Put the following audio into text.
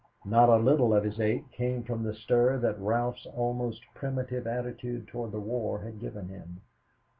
Not a little of his ache came from the stir that Ralph's almost primitive attitude toward the war had given him.